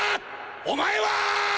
お前は！